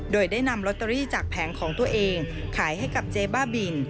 โดยได้นำลอตเตอรี่จากแผงของตัวเองขายให้กับเจ๊บ้าบิน